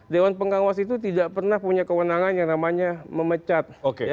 dewan pengawas itu tidak pernah punya kewenangan yang namanya memecat